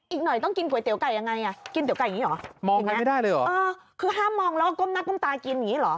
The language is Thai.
อีกหน่อยต้องกินก๋วยเตี๋ยวไก่ยังไง